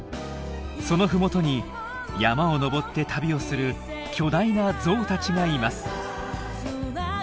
そのふもとに山を登って旅をする巨大なゾウたちがいます。